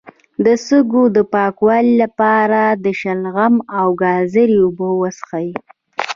د سږو د پاکوالي لپاره د شلغم او ګازرې اوبه وڅښئ